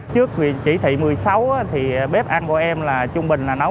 trước vị trí thị một mươi sáu thì bếp ăn của em là trung bình là nấu